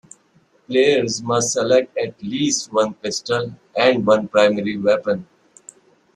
Players must select at least one pistol, and one primary weapon.